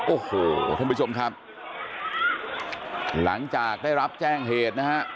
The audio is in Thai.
โอ้โหท่านผู้ชมครับหลังจากได้รับแจ้งเหตุนะฮะ